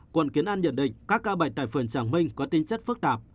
quận kiến an nhận định các ca bệnh tại phường tràng minh có tinh chất phức tạp